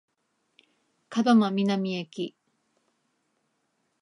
門真南駅